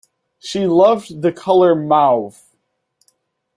She loved the color mauve.